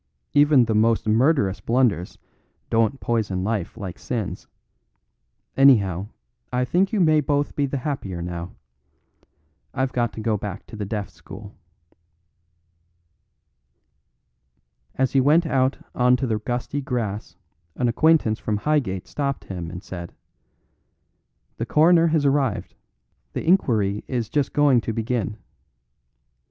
Even the most murderous blunders don't poison life like sins; anyhow, I think you may both be the happier now. I've got to go back to the Deaf School." As he went out on to the gusty grass an acquaintance from Highgate stopped him and said: "The Coroner has arrived. The inquiry is just going to begin."